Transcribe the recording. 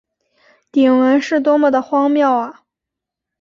鼎文是多么地荒谬啊！